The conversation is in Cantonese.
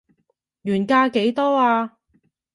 原價幾多啊